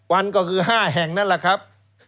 วันก็คือ๕แห่งนั่นแหละครับ